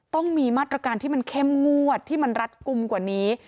ต้องมีมาตรการที่มันเข้มงวดที่มันรัดกลุ่มกว่านี้